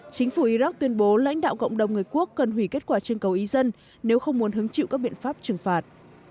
chính phủ iraq tuyên bố lãnh đạo cộng đồng người quốc cần hủy kết quả trưng cầu ý dân nếu không muốn hứng chịu các biện pháp trừng phạt